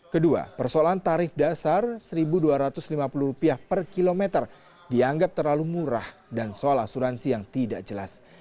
kedua persoalan tarif dasar rp satu dua ratus lima puluh per kilometer dianggap terlalu murah dan soal asuransi yang tidak jelas